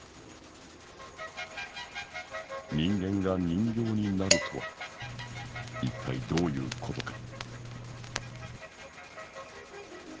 人間が人形になるとは一体どういうことか？